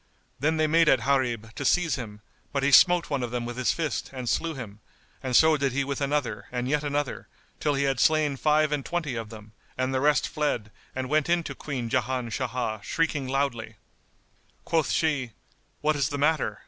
Then they made at Gharib to seize him; but he smote one of them with his fist and slew him, and so did he with another and yet another, till he had slain five and twenty of them and the rest fled and went in to Queen Jan Shah, shrieking loudly. Quoth she, "What is the matter?"